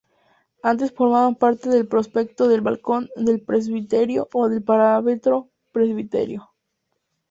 Antes formaban parte del prospecto del balcón del presbiterio o del parapeto presbiterio.